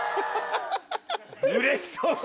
うれしそう。